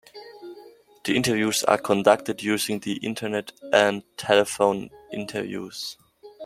The interviews are conducted using the internet and telephone interviews.